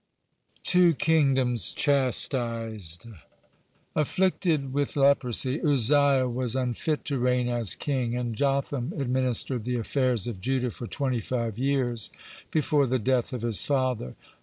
THE TWO KINGDOMS CHASTISED Afflicted with leprosy, Uzziah was unfit to reign as king, and Jotham administered the affairs of Judah for twenty five years before the death of his father.